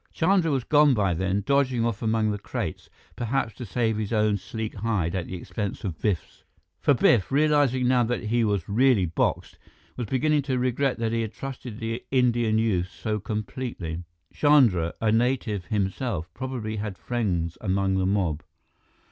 Chandra was gone by then, dodging off among the crates, perhaps to save his own sleek hide at the expense of Biff's. For Biff, realizing now that he was really boxed, was beginning to regret that he had trusted the Indian youth so completely. Chandra, a native himself, probably had friends among the mob.